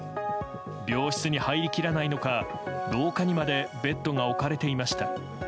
病室に入りきらないのか廊下にまでベッドが置かれていました。